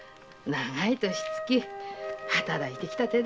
長い年月働いてきた手だ。